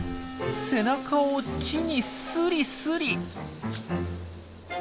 背中を木にスリスリ。